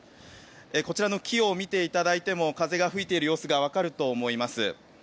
こちらの木を見ていただいても風が吹いている様子がわかると思います。